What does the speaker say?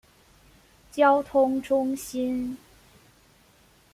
交通中心。